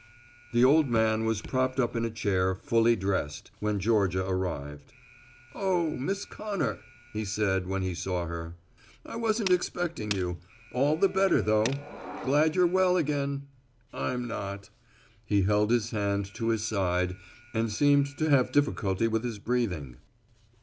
The old man was propped up in a chair, fully dressed, when Georgia arrived. "Oh, Miss Connor," he said when he saw her, "I wasn't expecting you. All the better, though. Glad you're well again. I'm not." He held his hand to his side and seemed to have difficulty with his breathing.